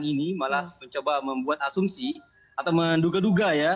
ini malah mencoba membuat asumsi atau menduga duga ya